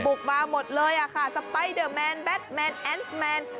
บุกมาหมดเลยอะค่ะซับปายเดอร์แมนแบทแมนแอนตแมน